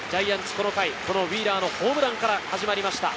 このウィーラーのホームランから始まりました。